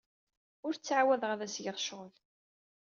Ur ttɛawadeɣ ad as-geɣ ccɣel.